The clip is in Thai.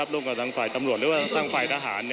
ร่วมกับทางฝ่ายตำรวจหรือว่าทางฝ่ายทหาร